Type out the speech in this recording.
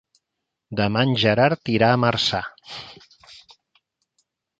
Demà en Gerard irà a Marçà.